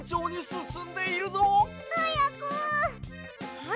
はい。